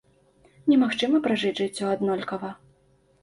Немагчыма пражыць жыццё аднолькава.